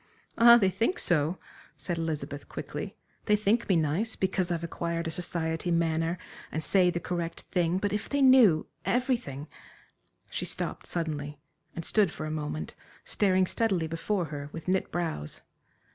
"Ah, they think so," said Elizabeth, quickly, "they think me nice, because I've acquired a society manner, and say the correct thing, but if they knew everything" she stopped suddenly and stood for a moment staring steadily before her, with knit brows.